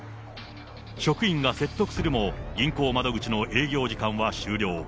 職員が説得するも、銀行窓口の営業時間は終了。